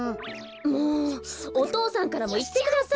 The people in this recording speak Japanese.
もうお父さんからもいってください！